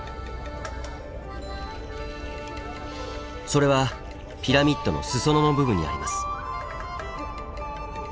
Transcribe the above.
それはピラミッドの裾野の部分にあります。